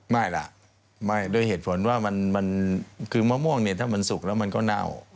ไม่ล่ะไม่โดยเหตุผลว่ามันคือมะม่วงเนี่ยถ้ามันสุกแล้วมันก็เน่า